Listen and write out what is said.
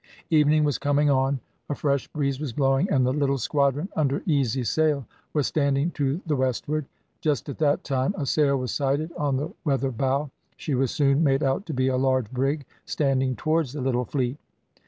Evening was coming on, a fresh breeze was blowing, and the little squadron, under easy sail, was standing to the westward. Just at that time a sail was sighted on the weather bow; she was soon made out to be a large brig standing towards the little fleet.